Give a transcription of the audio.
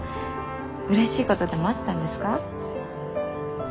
うれしいことでもあったんですか？